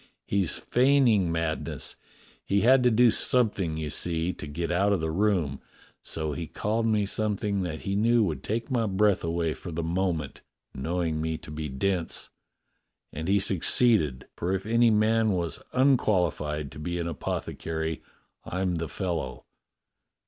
He's feigning madness. He had to do something, you see, to get out of the room, so he called me something that he knew would take my breath away for the moment, knowing me to be dense, and he succeeded, for if any man was unqualified to be an apothecary, I'm the fel low.